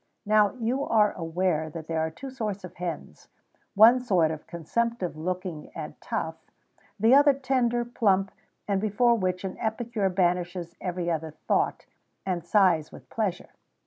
Now, you are aware that there are two sorts of hens; one sort consumptive looking and tough, the other tender, plump, and before which an epicure banishes every other thought, and sighs with pleasure.